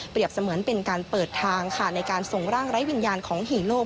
เสมือนเป็นการเปิดทางค่ะในการส่งร่างไร้วิญญาณของฮีโร่